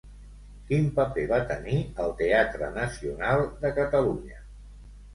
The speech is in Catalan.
Quin paper va tenir al Teatre Nacional de Catalunya?